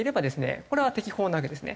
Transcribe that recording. これは適法なわけですね。